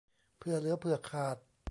เผื่อเหลือเผื่อขาด